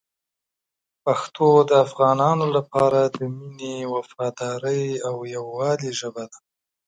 پښتو د افغانانو لپاره د مینې، وفادارۍ او یووالي ژبه ده.